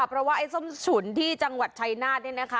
เพราะว่าไอ้ส้มฉุนที่จังหวัดชัยนาธเนี่ยนะคะ